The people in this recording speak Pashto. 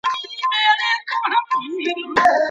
کرني پوهنځۍ بې بودیجې نه تمویلیږي.